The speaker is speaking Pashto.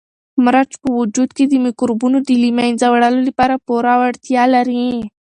مرچ په وجود کې د مکروبونو د له منځه وړلو لپاره پوره وړتیا لري.